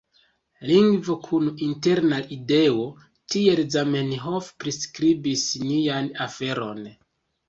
Lingvo kun interna ideo tiel Zamenhof priskribis nian aferon.